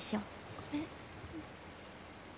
ごめん。